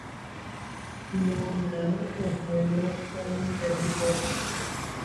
Cleveland Ohio Aruvi California